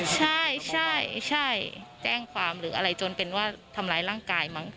ใช่ใช่แจ้งความหรืออะไรจนเป็นว่าทำร้ายร่างกายมั้ง